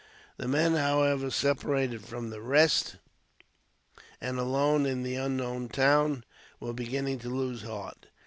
The men, however, separated from the rest, and alone in the unknown town, were beginning to lose heart.